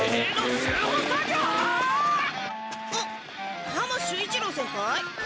あっ浜守一郎先輩？